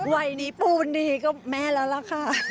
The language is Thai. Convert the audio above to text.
วัยนี้ปูนดีก็แม่แล้วล่ะค่ะ